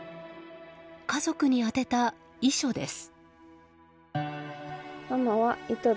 家族に宛てた遺書です。